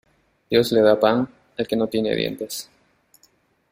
Dios le da pan, al que no tiene dientes.